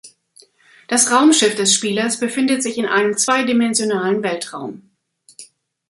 Das Raumschiff des Spielers befindet sich in einem zweidimensionalen Weltraum.